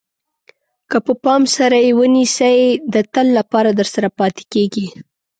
که په پام سره یې ونیسئ د تل لپاره درسره پاتې کېږي.